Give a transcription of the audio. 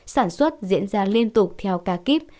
sản xuất diễn ra liên tục theo ca kíp